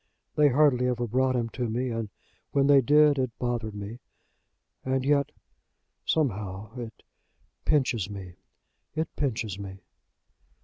They hardly ever brought him to me, and when they did, it bothered me. And yet, somehow it pinches me; it pinches me."